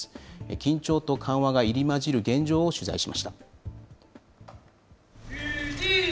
緊張と緩和が入り交じる現状を取材しました。